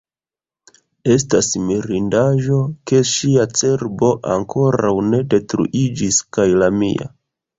Estas mirindaĵo, ke ŝia cerbo ankoraŭ ne detruiĝis kaj la mia.